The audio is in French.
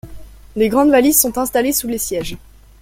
Les grandes valises sont installées sous les sièges.